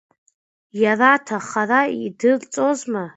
Иараҭ ахара идырҵозма?